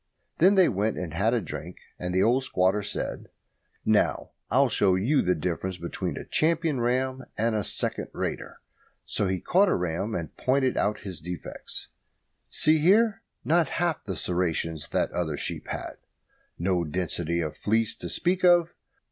Then they went and had a drink, and the old squatter said, "Now, I'll show you the difference between a champion ram and a second rater." So he caught a ram and pointed out his defects. "See here not half the serrations that other sheep had. No density of fleece to speak of.